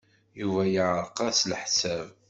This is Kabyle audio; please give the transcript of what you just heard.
Yuba yeɛreq-as leḥsab.